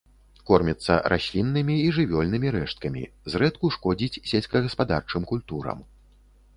Корміцца расліннымі і жывёльнымі рэшткамі, зрэдку шкодзіць сельскагаспадарчым культурам.